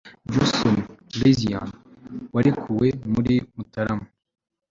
Jason Rezaian warekuwe muri Mutarama